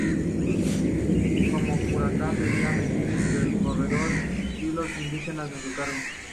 Como curaca debía mediar entre el corregidor y los indígenas a su cargo.